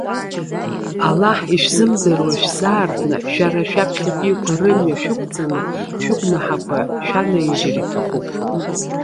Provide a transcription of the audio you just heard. Аллаҳ ишәзымдыруа шәзаартны, шәара шәаԥхьатәиқәа рымҩа шәықәҵаны, шәыгәнаҳақәа шәанаижьыр иҭахуп.